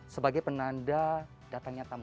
sebagai penanda datangnya tamu